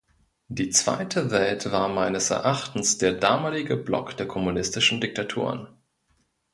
Die Zweite Welt war meines Erachtens der damalige Block der kommunistischen Diktaturen.